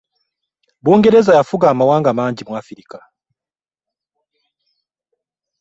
Bungereza yafuga amawanga mangi mu Africa.